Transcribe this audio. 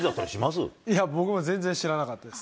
いや、僕も全然知らなかったです。